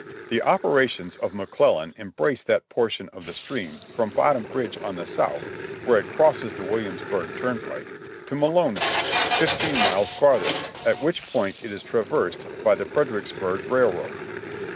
The operations of McClellan embrace that portion of the stream from Bottom Bridge on the south, where it crosses the Williams burg turnpike, to Malon Bridge, fifteen miles farther, at which point it is traversed by the Fredericksburg Railroad.